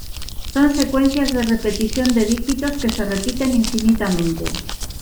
Son secuencias de repetición de dígitos que se repiten infinitamente.